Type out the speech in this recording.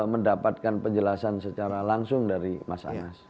mendapatkan penjelasan secara langsung dari mas anas